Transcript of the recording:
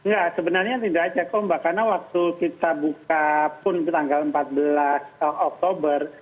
ya sebenarnya tidak cek ombak karena waktu kita buka pun tanggal empat belas oktober